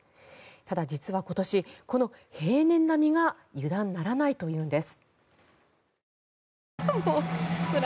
ただ、実は今年、この平年並みが油断ならないというんです。